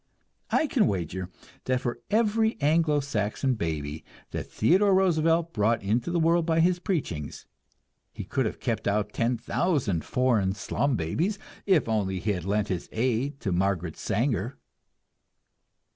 I can wager that for every Anglo Saxon baby that Theodore Roosevelt brought into the world by his preachings, he could have kept out ten thousand foreign slum babies, if only he had lent his aid to Margaret Sanger!